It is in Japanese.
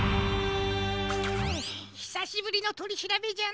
ひさしぶりのとりしらべじゃな。